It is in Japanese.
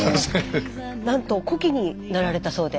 なんと古希になられたそうで。